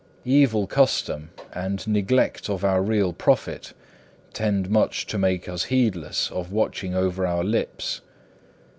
Evil custom and neglect of our real profit tend much to make us heedless of watching over our lips.